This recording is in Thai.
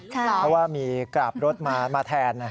เพราะว่ามีกราบรถมาแทน